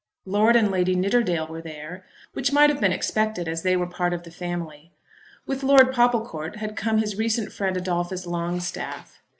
Lord and Lady Nidderdale were there, which might have been expected as they were part of the family. With Lord Popplecourt had come his recent friend Adolphus Longstaff.